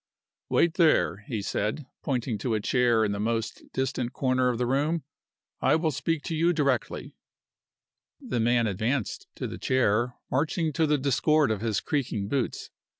"Wait there," he said, pointing to a chair in the most distant corner of the room. "I will speak to you directly." The man advanced to the chair, marching to the discord of his creaking boots.